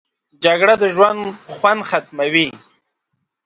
جګړه د ژوند خوند ختموي